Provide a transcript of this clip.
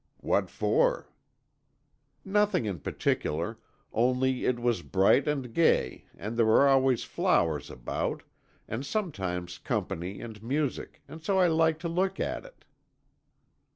"What for?" "Nothing in particular, only it was bright and gay and there were always flowers about, and sometimes company and music, and so I liked to look at it."